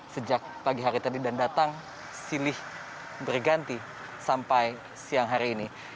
sejak pagi hari tadi dan datang silih berganti sampai siang hari ini